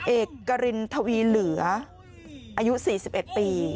เอกกรินทวีเหลืออายุ๔๑ปี